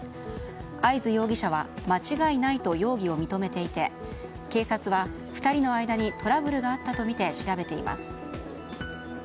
会津容疑者は間違いないと容疑を認めていて警察は、２人の間にトラブルがあったとみて調べています。